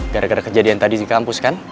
gara gara kejadian tadi di kampus kan